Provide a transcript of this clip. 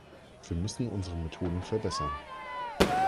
Wir müssen unsere Methoden verbessern.